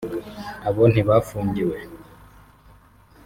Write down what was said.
abo ntibafungiwe